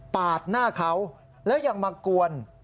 หน้าเขาแล้วยังมากวน